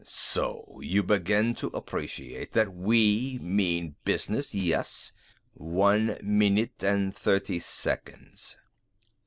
"So you begin to appreciate that we mean business, yes? One minute and thirty seconds!"